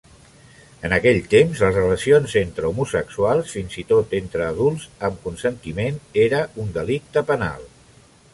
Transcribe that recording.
En aquell temps, les relacions entre homosexuals, fins i tot entre adults amb consentiment, era un delicte penal.